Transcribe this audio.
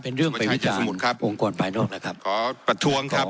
เป็นเรื่องไปวิจารณ์องค์กรภายนอกนะครับ